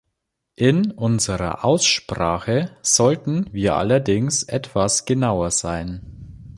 In unserer Aussprache sollten wir allerdings etwas genauer sein.